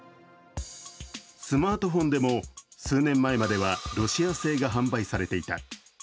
スマートフォンでも数年前はロシア製が販売されていた。